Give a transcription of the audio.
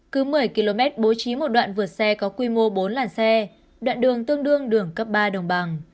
cứ một mươi km bố trí một đoạn vượt xe có quy mô bốn làn xe đoạn đường tương đương đường cấp ba đồng bằng